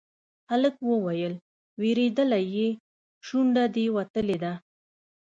هلک وويل: وېرېدلی يې، شونډه دې وتلې ده.